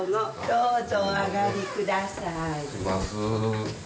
どうぞ、おあがりください。